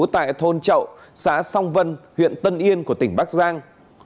tại thôn chậu xã song vân huyện tân yên của tỉnh bắc giang